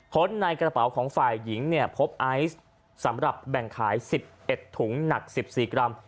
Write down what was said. ในกระเป๋าของฝ่ายหญิงเนี่ยพบไอซ์สำหรับแบ่งขาย๑๑ถุงหนัก๑๔กรัม